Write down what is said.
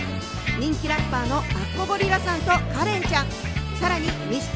人気ラッパーのあっこゴリラさんとカレンちゃん。